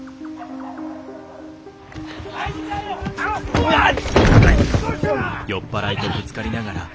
うわっ！